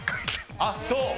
あっそう！